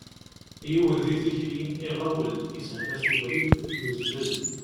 Yiwen di tikli iɣawel, ishel-as ubrid, yuzzel.